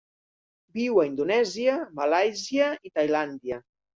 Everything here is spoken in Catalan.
Viu a Indonèsia, Malàisia i Tailàndia.